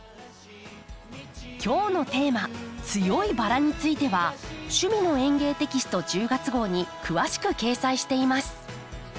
今日のテーマ「強いバラ」については「趣味の園芸」テキスト１０月号に詳しく掲載しています。